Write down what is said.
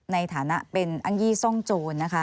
ในฐานะเป็นอังกฤษส่องโจร